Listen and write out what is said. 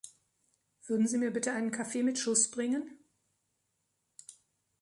Würden Sie mir bitte einen Kaffee mit Schuss bringen?